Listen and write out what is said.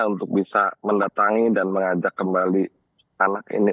untuk bisa mendatangi dan mengajak kembali anak ini